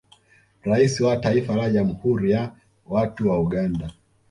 Rais wa Taifa la jamhuri ya watu wa Uganda